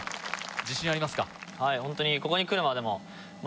自信ありますか？